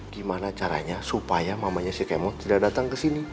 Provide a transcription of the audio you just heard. gimana caranya supaya mamanya si kemot tidak datang kesini